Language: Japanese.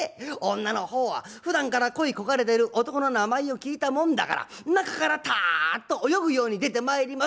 女の方はふだんから恋い焦がれてる男の名前を聞いたもんだから中からタッと泳ぐように出てまいります。